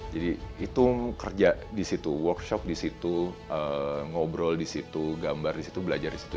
jadi itu kerja di situ workshop di situ ngobrol di situ gambar di situ belajar di situ